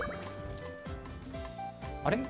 あれ？